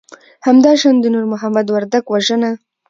همدا شان د نور محمد وردک وژنه